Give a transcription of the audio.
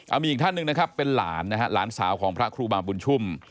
มีอีกท่านหนึ่งนะครับเป็นหลานนะฮะหลานสาวของพระครูบาบุญชุ่ม